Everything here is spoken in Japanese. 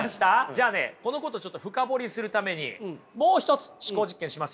じゃあねこのことを深掘りするためにもう一つ思考実験しますよ。